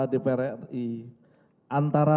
dpr ri antara